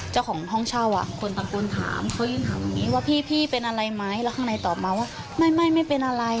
เจ้าของห้องเช่าคนตะโกนถามเขายืนถามอย่างนี้ว่าพี่เป็นอะไรไหมแล้วข้างในตอบมาว่าไม่ไม่เป็นอะไร